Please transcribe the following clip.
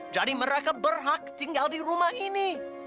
jadi mereka berhak tinggal di rumah ini